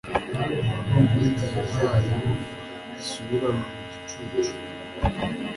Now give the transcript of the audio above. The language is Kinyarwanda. nubwo inzira zayo zisubira mu gicucu;